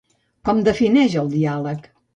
Com defineix el diàleg?